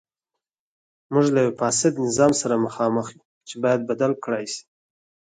موږ له یوه فاسد نظام سره مخامخ یو چې باید بدل کړای شي.